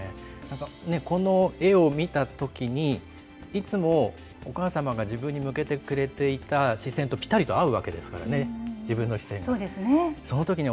なんかこの絵を見たときに、いつもお母様が自分に向けてくれていた視線とぴたりと合うわけですからね、自分の視線と。